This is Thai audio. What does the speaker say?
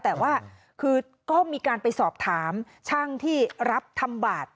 แต่ว่าคือก็มีการไปสอบถามช่างที่รับทำบาท